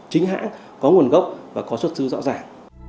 chính hãng có nguồn gốc và có xuất xứ rõ ràng